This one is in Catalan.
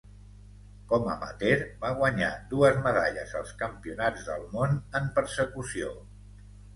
Com amateur, va guanyar dues medalles als Campionats del món en Persecució.